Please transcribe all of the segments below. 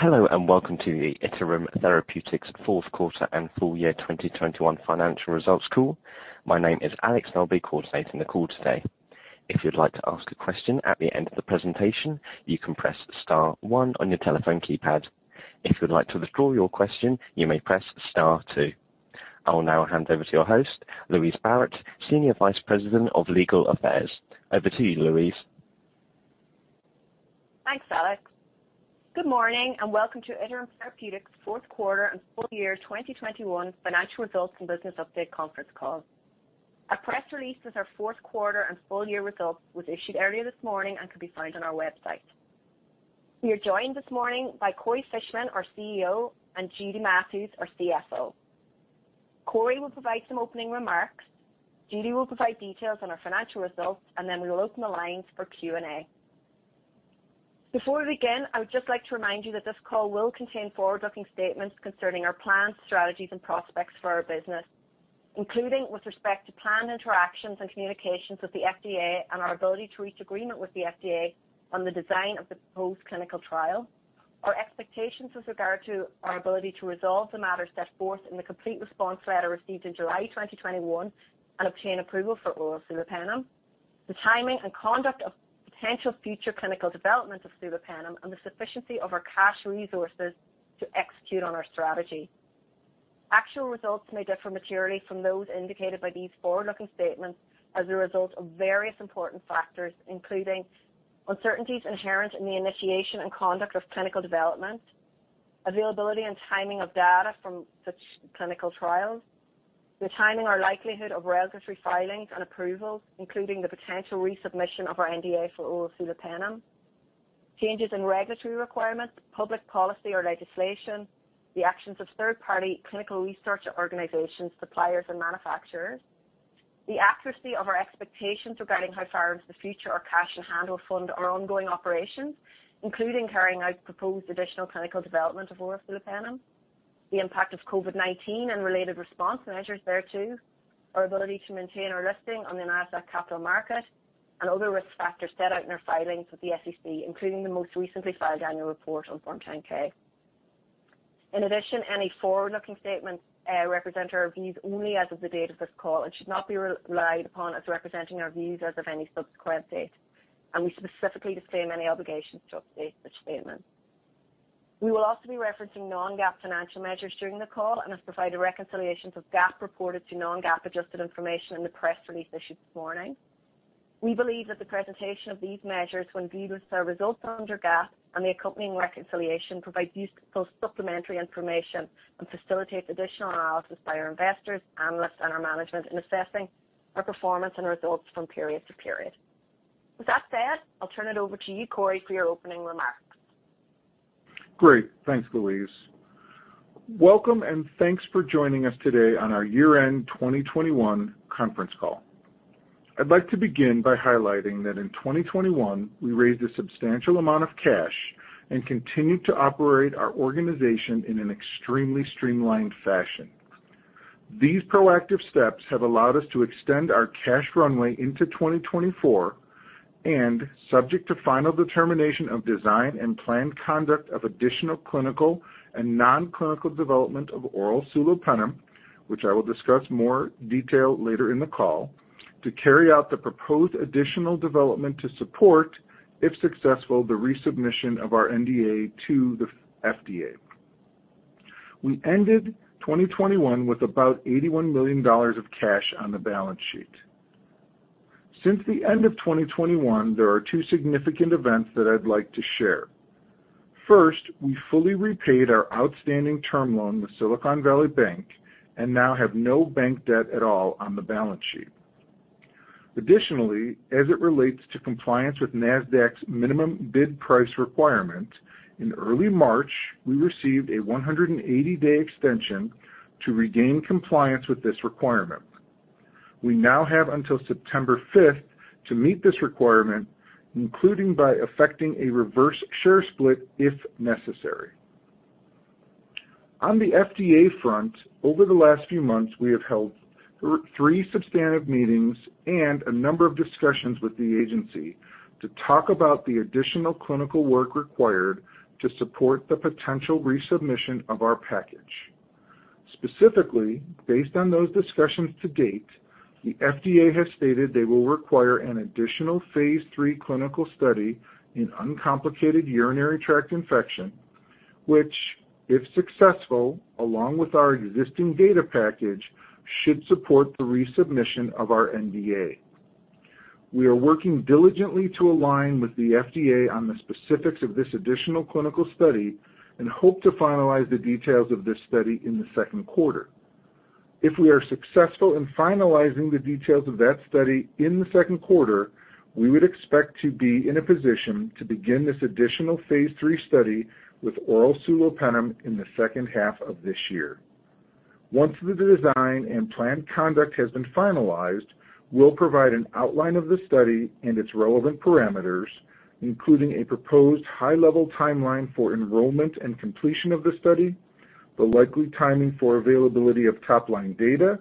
Hello, and welcome to the Iterum Therapeutics fourth quarter and full year 2021 financial results call. My name is Alex. I'll be coordinating the call today. If you'd like to ask a question at the end of the presentation, you can press star one on your telephone keypad. If you'd like to withdraw your question, you may press star two. I will now hand over to your host, Louise Barrett, Senior Vice President of Legal Affairs. Over to you, Louise. Thanks, Alex. Good morning, and welcome to Iterum Therapeutics fourth quarter and full year 2021 financial results and business update conference call. A press release with our fourth quarter and full year results was issued earlier this morning and can be found on our website. We are joined this morning by Corey Fishman, our CEO, and Judy Matthews, our CFO. Corey will provide some opening remarks. Judy will provide details on our financial results, and then we will open the lines for Q&A. Before we begin, I would just like to remind you that this call will contain forward-looking statements concerning our plans, strategies, and prospects for our business, including with respect to planned interactions and communications with the FDA and our ability to reach agreement with the FDA on the design of the proposed clinical trial. Our expectations with regard to our ability to resolve the matters set forth in the complete response letter received in July 2021 and obtain approval for oral sulopenem, the timing and conduct of potential future clinical development of sulopenem, and the sufficiency of our cash resources to execute on our strategy. Actual results may differ materially from those indicated by these forward-looking statements as a result of various important factors, including uncertainties inherent in the initiation and conduct of clinical development, availability and timing of data from such clinical trials, the timing or likelihood of regulatory filings and approvals, including the potential resubmission of our NDA for oral sulopenem. Changes in regulatory requirements, public policy or legislation, the actions of third-party clinical research organizations, suppliers, and manufacturers, the accuracy of our expectations regarding how far into the future our cash on hand will fund our ongoing operations, including carrying out proposed additional clinical development of oral sulopenem, the impact of COVID-19 and related response measures thereto, our ability to maintain our listing on the Nasdaq Capital Market and other risk factors set out in our filings with the SEC, including the most recently filed annual report on Form 10-K. In addition, any forward-looking statements represent our views only as of the date of this call and should not be relied upon as representing our views as of any subsequent date, and we specifically disclaim any obligations to update such statements. We will also be referencing non-GAAP financial measures during the call and have provided reconciliations of GAAP reported to non-GAAP adjusted information in the press release issued this morning. We believe that the presentation of these measures when viewed with our results under GAAP and the accompanying reconciliation provide useful supplementary information and facilitate additional analysis by our investors, analysts and our management in assessing our performance and results from period to period. With that said, I'll turn it over to you, Corey, for your opening remarks. Great. Thanks, Louise. Welcome and thanks for joining us today on our year-end 2021 conference call. I'd like to begin by highlighting that in 2021 we raised a substantial amount of cash and continued to operate our organization in an extremely streamlined fashion. These proactive steps have allowed us to extend our cash runway into 2024 and, subject to final determination of design and planned conduct of additional clinical and non-clinical development of oral sulopenem, which I will discuss in more detail later in the call, to carry out the proposed additional development to support, if successful, the resubmission of our NDA to the FDA. We ended 2021 with about $81 million of cash on the balance sheet. Since the end of 2021, there are two significant events that I'd like to share. First, we fully repaid our outstanding term loan with Silicon Valley Bank and now have no bank debt at all on the balance sheet. Additionally, as it relates to compliance with Nasdaq's minimum bid price requirement, in early March, we received a 180-day extension to regain compliance with this requirement. We now have until September 5th, to meet this requirement, including by effecting a reverse share split if necessary. On the FDA front, over the last few months, we have held three substantive meetings and a number of discussions with the agency to talk about the additional clinical work required to support the potential resubmission of our package. Specifically, based on those discussions to date, the FDA has stated they will require an additional phase III clinical study in uncomplicated urinary tract infection, which if successful, along with our existing data package, should support the resubmission of our NDA. We are working diligently to align with the FDA on the specifics of this additional clinical study and hope to finalize the details of this study in the second quarter. If we are successful in finalizing the details of that study in the second quarter, we would expect to be in a position to begin this additional phase III study with oral sulopenem in the second half of this year. Once the design and planned conduct has been finalized, we'll provide an outline of the study and its relevant parameters, including a proposed high-level timeline for enrollment and completion of the study, the likely timing for availability of top-line data,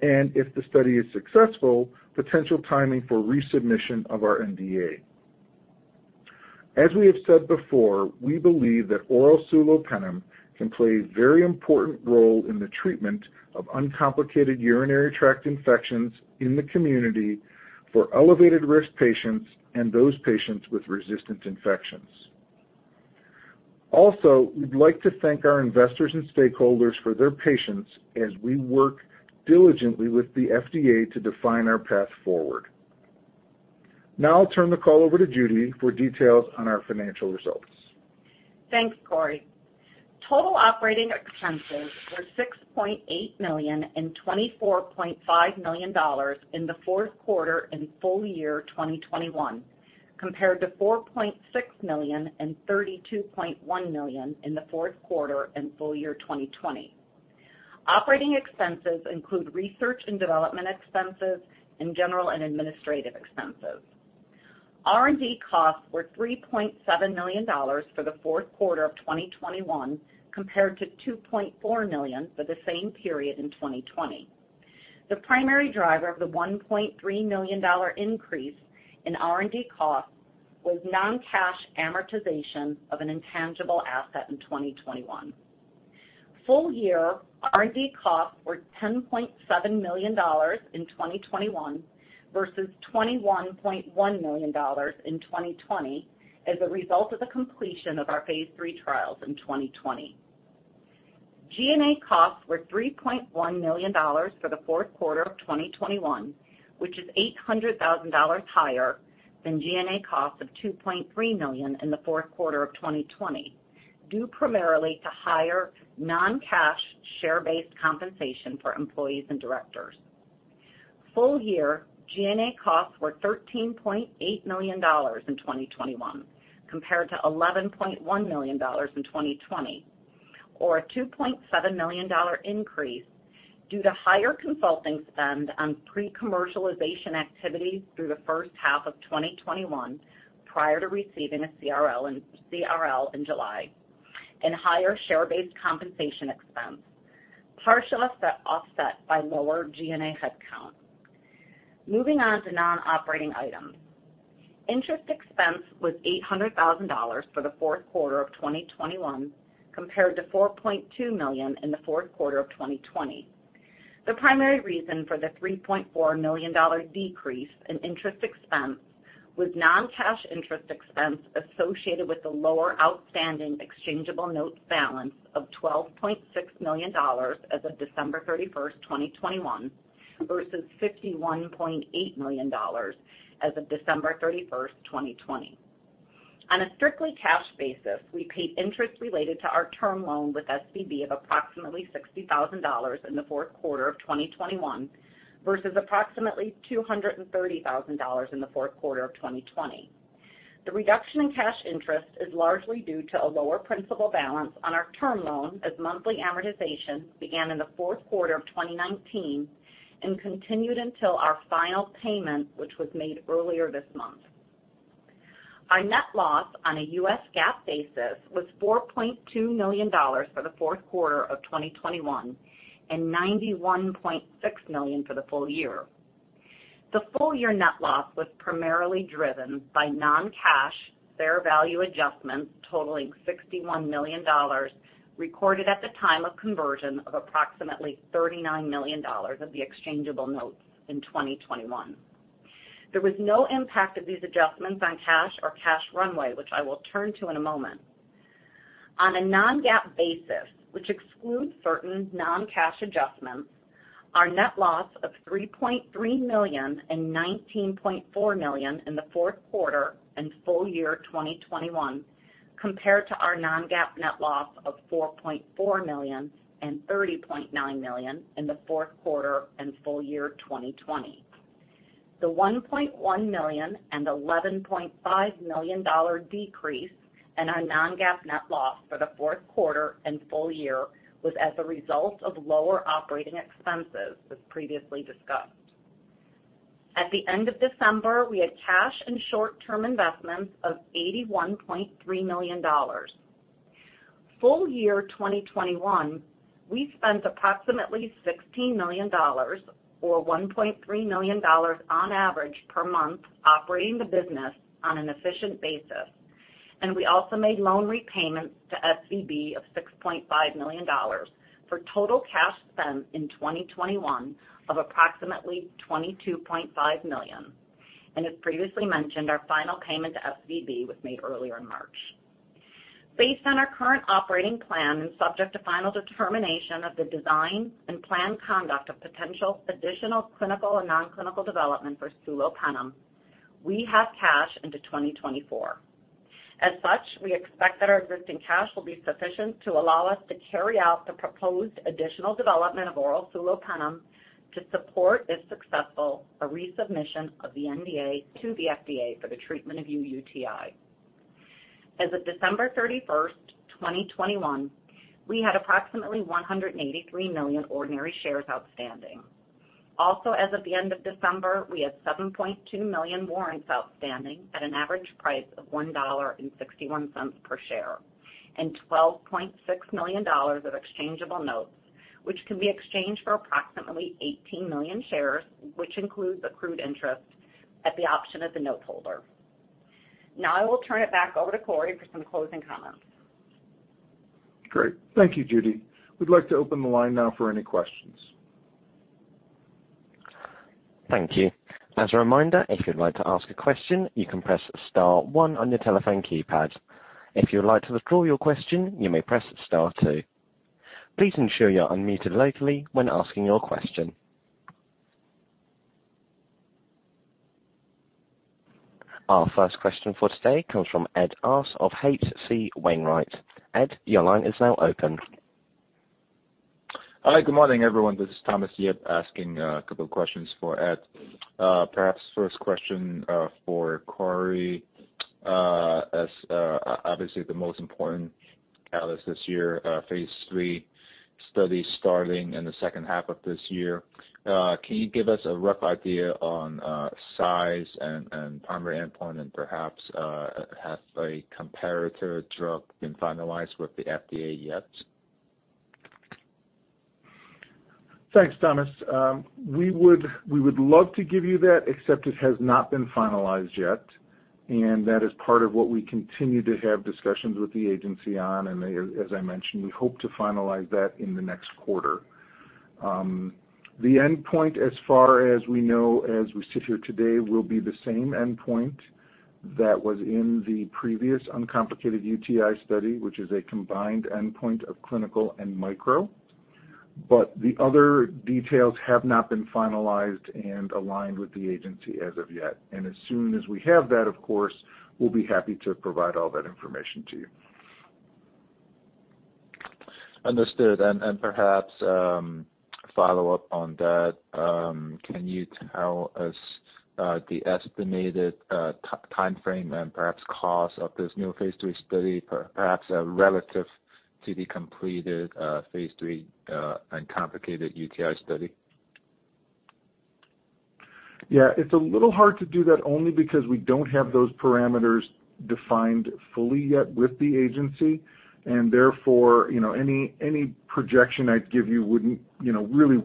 and if the study is successful, potential timing for resubmission of our NDA. As we have said before, we believe that oral sulopenem can play a very important role in the treatment of uncomplicated urinary tract infections in the community, for elevated risk patients and those patients with resistant infections. Also, we'd like to thank our investors and stakeholders for their patience as we work diligently with the FDA to define our path forward. Now I'll turn the call over to Judy for details on our financial results. Thanks, Corey. Total operating expenses were $68.8 million and $24.5 million in the fourth quarter and full year 2021, compared to $4.6 million and $32.1 million in the fourth quarter and full year 2020. Operating expenses include research and development expenses and general and administrative expenses. R&D costs were $3.7 million for the fourth quarter of 2021, compared to $2.4 million for the same period in 2020. The primary driver of the $1.3 million dollar increase in R&D costs was non-cash amortization of an intangible asset in 2021. Full year R&D costs were $10.7 million in 2021 versus $21.1 million in 2020 as a result of the completion of our phase III trials in 2020. G&A costs were $3.1 million for the fourth quarter of 2021, which is $800,000 higher than G&A costs of $2.3 million in the fourth quarter of 2020, due primarily to higher non-cash share-based compensation for employees and directors. Full year G&A costs were $13.8 million in 2021 compared to $11.1 million in 2020, or a $2.7 million dollar increase due to higher consulting spend on pre-commercialization activities through the first half of 2021 prior to receiving a CRL in July, and higher share-based compensation expense, partially offset by lower G&A headcount. Moving on to non-operating items. Interest expense was $800,000 for the fourth quarter of 2021 compared to $4.2 million in the fourth quarter of 2020. The primary reason for the $3.4 million decrease in interest expense was non-cash interest expense associated with the lower outstanding exchangeable note balance of $12.6 million as of December 31st, 2021, versus $51.8 million as of December 31st, 2020. On a strictly cash basis, we paid interest related to our term loan with SVB of approximately $60,000 in the fourth quarter of 2021 versus approximately $230,000 in the fourth quarter of 2020. The reduction in cash interest is largely due to a lower principal balance on our term loan as monthly amortization began in the fourth quarter of 2019 and continued until our final payment, which was made earlier this month. Our net loss on a U.S. GAAP basis was $4.2 million for the fourth quarter of 2021 and $91.6 million for the full year. The full-year net loss was primarily driven by non-cash fair value adjustments totaling $61 million recorded at the time of conversion of approximately $39 million of the exchangeable notes in 2021. There was no impact of these adjustments on cash or cash runway, which I will turn to in a moment. On a non-GAAP basis, which excludes certain non-cash adjustments, our net loss of $3.3 million and $19.4 million in the fourth quarter and full year 2021 compared to our non-GAAP net loss of $4.4 million and $30.9 million in the fourth quarter and full year 2020. The $1.1 million and $11.5 million decrease in our non-GAAP net loss for the fourth quarter and full year was as a result of lower operating expenses, as previously discussed. At the end of December, we had cash and short-term investments of $81.3 million. Full year 2021, we spent approximately $16 million or $1.3 million on average per month operating the business on an efficient basis. We also made loan repayments to SVB of $6.5 million for total cash spent in 2021 of approximately $22.5 million. As previously mentioned, our final payment to SVB was made earlier in March. Based on our current operating plan and subject to final determination of the design and planned conduct of potential additional clinical and non-clinical development for sulopenem, we have cash into 2024. As such, we expect that our existing cash will be sufficient to allow us to carry out the proposed additional development of oral sulopenem to support, if successful, a resubmission of the NDA to the FDA for the treatment of UTI. As of December 31st, 2021, we had approximately 183 million ordinary shares outstanding. Also as of the end of December, we had 7.2 million warrants outstanding at an average price of $1.61 per share. $12.6 million of exchangeable notes, which can be exchanged for approximately 18 million shares, which includes accrued interest at the option of the note holder. Now I will turn it back over to Corey for some closing comments. Great. Thank you, Judy. We'd like to open the line now for any questions. Thank you. As a reminder, if you'd like to ask a question, you can press star one on your telephone keypad. If you would like to withdraw your question, you may press star two. Please ensure you're unmuted locally when asking your question. Our first question for today comes from Ed Arce of H.C. Wainwright. Ed, your line is now open. Hi, good morning, everyone. This is Thomas Yip asking a couple questions for Ed. Perhaps first question, for Corey. As obviously the most important catalyst this year, phase III study starting in the second half of this year. Can you give us a rough idea on size and primary endpoint, and perhaps has a comparator drug been finalized with the FDA yet? Thanks, Thomas. We would love to give you that, except it has not been finalized yet, and that is part of what we continue to have discussions with the agency on. As I mentioned, we hope to finalize that in the next quarter. The endpoint, as far as we know as we sit here today, will be the same endpoint that was in the previous uncomplicated UTI study, which is a combined endpoint of clinical and micro. The other details have not been finalized and aligned with the agency as of yet. As soon as we have that, of course, we'll be happy to provide all that information to you. Understood. Perhaps follow-up on that, can you tell us the estimated time frame and perhaps cost of this new phase III study, perhaps relative to the completed phase III uncomplicated UTI study? Yeah, it's a little hard to do that only because we don't have those parameters defined fully yet with the agency, and therefore, you know, any projection I'd give you wouldn't, you know, really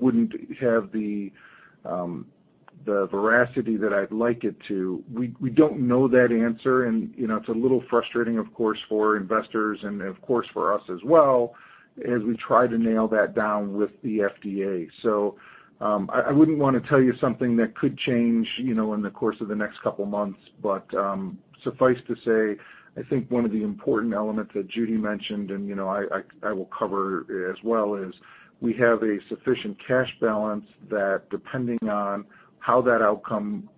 have the veracity that I'd like it to. We don't know that answer and, you know, it's a little frustrating of course for investors and of course for us as well, as we try to nail that down with the FDA. I wouldn't wanna tell you something that could change, you know, in the course of the next couple months. Suffice to say, I think one of the important elements that Judy mentioned, and, you know, I will cover as well, is we have a sufficient cash balance that depending on how that outcome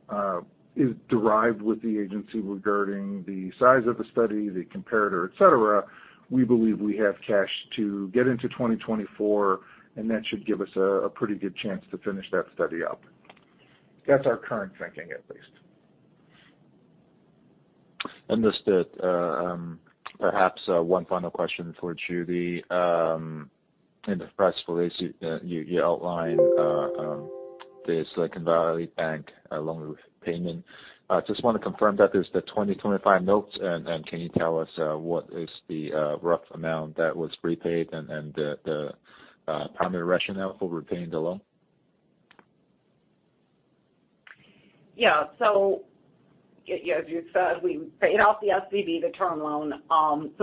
is derived with the agency regarding the size of the study, the comparator, et cetera, we believe we have cash to get into 2024, and that should give us a pretty good chance to finish that study up. That's our current thinking, at least. Understood. Perhaps one final question for Judy. In the press release, you outline the Silicon Valley Bank along with payment. Just wanna confirm that there's the 2025 notes. Can you tell us what is the rough amount that was repaid and the primary rationale for repaying the loan? Yes, as you said, we paid off the SVB the term loan.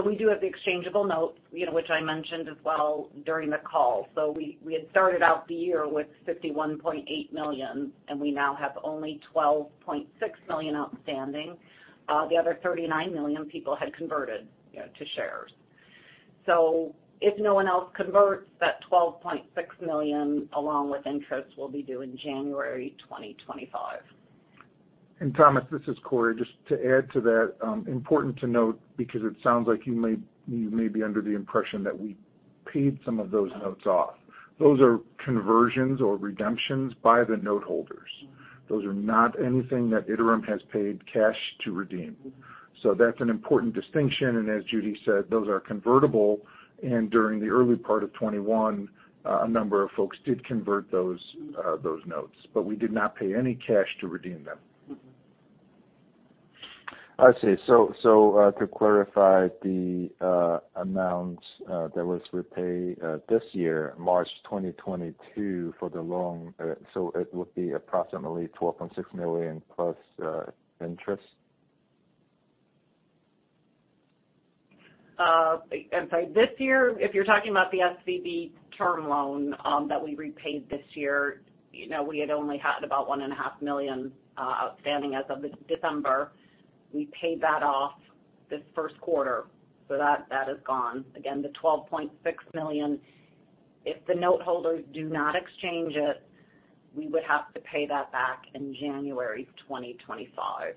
We do have the exchangeable notes, you know, which I mentioned as well during the call. We had started out the year with $51.8 million, and we now have only $12.6 million outstanding. The other $39 million had converted, you know, to shares. If no one else converts, that $12.6 million, along with interest, will be due in January 2025. Thomas, this is Corey. Just to add to that, important to note, because it sounds like you may be under the impression that we paid some of those notes off. Those are conversions or redemptions by the note holders. Those are not anything that Iterum has paid cash to redeem. That's an important distinction, and as Judy said, those are convertible, and during the early part of 2021, a number of folks did convert those notes, but we did not pay any cash to redeem them. I see. To clarify, the amount that was repaid this year, March 2022, for the loan, so it would be approximately $12.6 million plus interest? I'm sorry, this year, if you're talking about the SVB term loan, that we repaid this year, you know, we only had about $1.5 million outstanding as of December. We paid that off this first quarter, so that is gone. Again, the $12.6 million, if the note holders do not exchange it, we would have to pay that back in January 2025.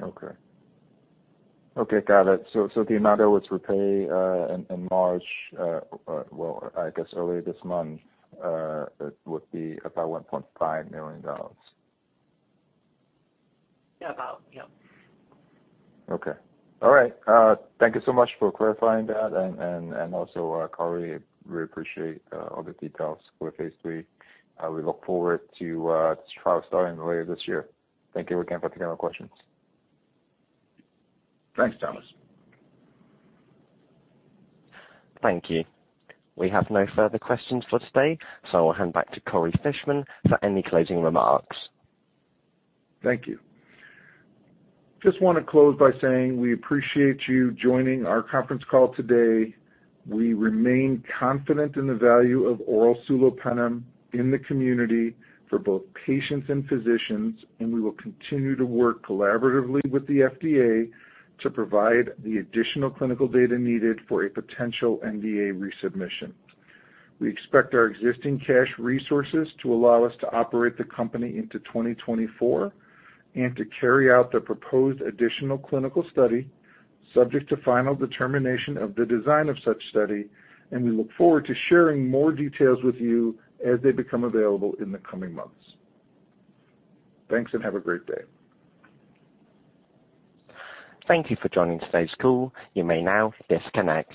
Okay, got it. The amount that was repaid in March, well, I guess earlier this month, it would be about $1.5 million. Yeah, about, yeah. Okay. All right. Thank you so much for clarifying that. Also, Corey, really appreciate all the details for phase III. We look forward to trial starting later this year. Thank you again for taking our questions. Thanks, Thomas. Thank you. We have no further questions for today, so I'll hand back to Corey Fishman for any closing remarks. Thank you. Just wanna close by saying we appreciate you joining our conference call today. We remain confident in the value of oral sulopenem in the community for both patients and physicians, and we will continue to work collaboratively with the FDA to provide the additional clinical data needed for a potential NDA resubmission. We expect our existing cash resources to allow us to operate the company into 2024 and to carry out the proposed additional clinical study, subject to final determination of the design of such study, and we look forward to sharing more details with you as they become available in the coming months. Thanks, and have a great day. Thank you for joining today's call. You may now disconnect.